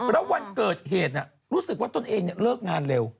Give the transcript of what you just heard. แล้ววันเกิดเหตุรู้สึกว่าตนเองเลิกงานเร็ว